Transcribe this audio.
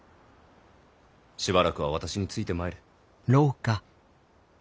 しばらくは私についてまいれ。